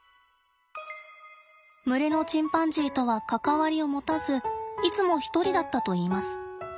群れのチンパンジーとは関わりを持たずいつも一人だったといいます。